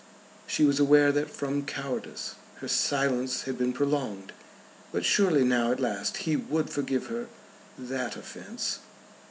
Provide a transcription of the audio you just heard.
She was aware that from cowardice her silence had been prolonged. But surely now at last he would forgive her that offence.